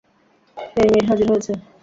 হেইমির হাজির হয়েছে!